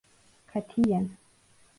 Katiyen.